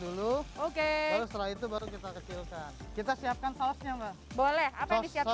dulu oke lalu setelah itu baru kita kecilkan kita siapkan sausnya mbak boleh apa yang disiapkan